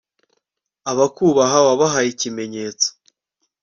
abakubaha wabahaye ikimenyetso